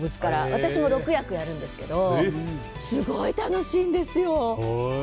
私も６役やるんですけどすごい楽しいんですよ。